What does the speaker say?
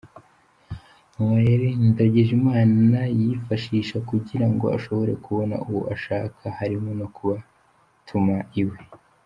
Mu mayeri Ndagijimana yifashisha kugira ngo ashobore kubona uwo ushaka harimo no kubatuma iwe.